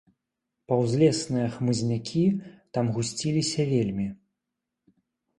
Паўзлесныя хмызнякі там гусціліся вельмі.